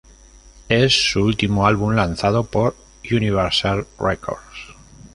Es su último álbum lanzado por Universal Records.